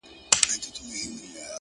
تا چي نن په مينه راته وكتل”